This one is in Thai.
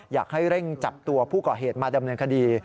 อยากให้เร่งจับตัวผู้ก่อเหตุมาดำเนินคดี